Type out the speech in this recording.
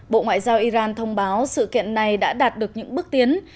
bộ ngoại giao iran thông báo sự kiện này đã đạt được những bước tiến